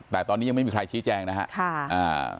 แต่ตอนนี้ยังไม่มีใครชี้แจงนะครับ